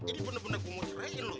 jadi bener bener gue mau cerain lo ya